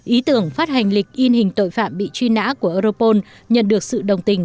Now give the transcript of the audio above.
ý tưởng phát hành lịch in hình tội phạm bị truy nã của europol nhận được sự đồng tình